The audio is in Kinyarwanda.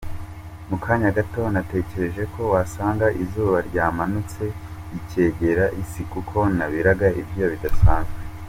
Mu kanya gato natekereje ko wasanga izuba ryamanutse rikegera isi, kuko nabiraga ibyuya bidasanzwe.